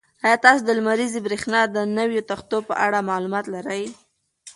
ایا تاسو د لمریزې برېښنا د نویو تختو په اړه معلومات لرئ؟